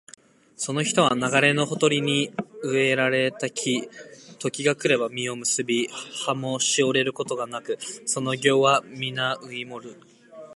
その人は流れのほとりに植えられた木、時が来れば実を結び、葉もしおれることがなく、その業はみな生い茂る